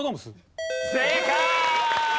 正解！